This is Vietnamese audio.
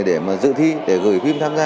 để mà dự thi để gửi phim tham gia